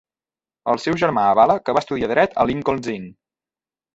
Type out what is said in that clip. El seu germà avala que va estudiar dret a Lincoln's Inn.